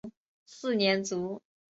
四年卒。